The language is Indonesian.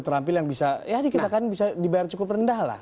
terampil yang bisa ya di kita kan bisa dibayar cukup rendah lah